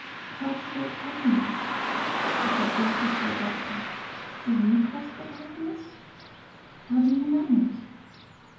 "Cultivate happiness!" I said briefly to the doctor: "do you cultivate happiness? How do you manage?"